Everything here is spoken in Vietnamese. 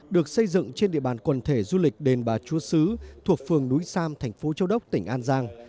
được xây dựng trên địa bàn quần thể du lịch đền bà chúa sứ thuộc phường núi sam thành phố châu đốc tỉnh an giang